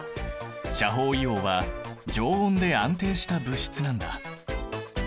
斜方硫黄は常温で安定した物質なんだ。